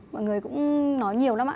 mọi người cũng nói nhiều lắm ạ